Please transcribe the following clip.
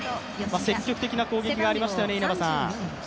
積極的な攻撃がありましたよね。